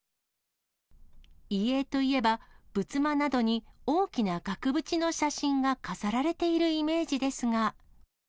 遺影といえば、仏間などに大きな額縁の写真が飾られているイメージですが。